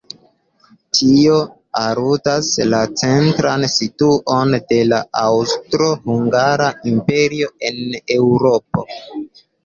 Tio aludas la centran situon de la Aŭstro-Hungara imperio en Eŭropo.